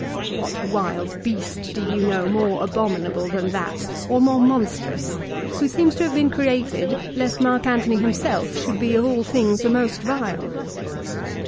What wild beast do you know more abominable than that, or more monstrous, who seems to have been created lest Marc Antony himself should be of all things the most vile?"